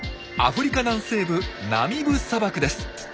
アフリカ南西部ナミブ砂漠です。